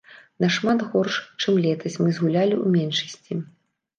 Нашмат горш, чым летась, мы згулялі ў меншасці.